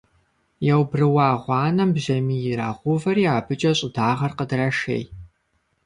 Яубрыуа гъуанэм бжьамий ирагъэувэри абыкӀэ щӀыдагъэр къыдрашей.